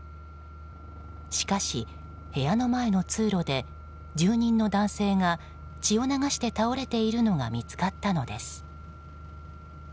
しかし、部屋の前の通路で住人の男性が血を流して倒れているのが見つかったのです。